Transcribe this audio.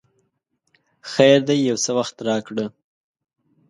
خیر دی یو څه وخت راکړه!